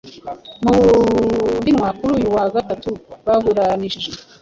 mubuhinwa kuri uyu wa gatatu baburanihije